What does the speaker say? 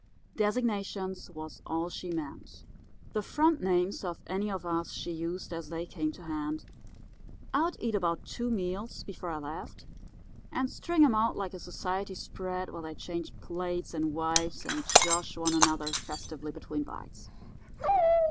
Designations was all she meant. The front names of any of us she used as they came to hand. I'd eat about two meals before I left, and string 'em out like a society spread where they changed plates and wives, and josh one another festively between bites.